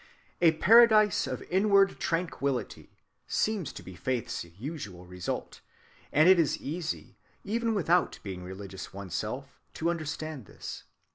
"A paradise of inward tranquillity" seems to be faith's usual result; and it is easy, even without being religious one's self, to understand this.